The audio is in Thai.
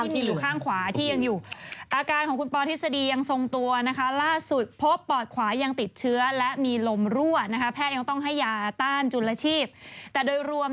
ถูกต้องถูกต้องถูกต้องถูกต้องอันนี้อีกข้างหนึ่งปอดอีกข้างหนึ่งเหรอ